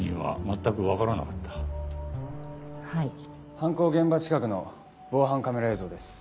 犯行現場近くの防犯カメラ映像です。